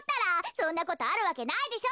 そんなことあるわけないでしょ。